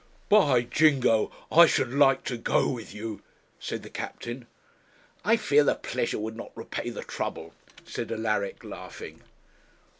'By jingo! I should like to go with you,' said the captain. 'I fear the pleasure would not repay the trouble,' said Alaric, laughing.